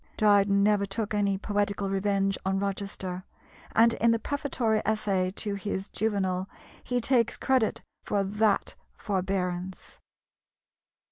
Dryden never took any poetical revenge on Rochester, and in the prefatory essay to his Juvenal he takes credit for that forbearance.